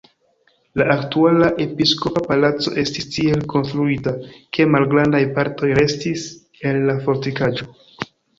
La aktuala episkopa palaco estis tiel konstruita, ke malgrandaj partoj restis el la fortikaĵo.